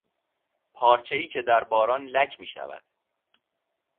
پارچهای که در باران لک میشود